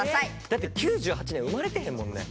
だって１９９８年生まれてへんもんね。